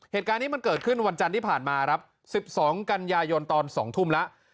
เหตุการณ์นี้มันเกิดขึ้นวันจันทร์ที่ผ่านมาครับ๑๒กันยายนตอน๒ทุ่มแล้ว